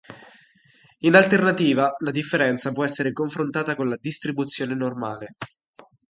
In alternativa, la differenza può essere confrontata con la distribuzione normale.